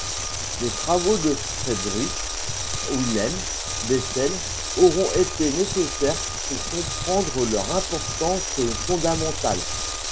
Les travaux de Friedrich Wilhelm Bessel auront été nécessaires pour comprendre leur importance fondamentale.